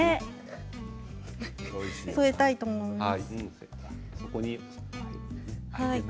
添えたいと思います。